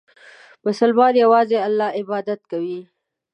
مسلمان یوازې الله عبادت کوي.